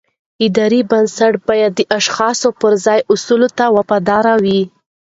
اداري بنسټونه باید د اشخاصو پر ځای اصولو ته وفادار وي